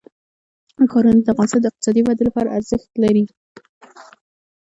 ښارونه د افغانستان د اقتصادي ودې لپاره ارزښت لري.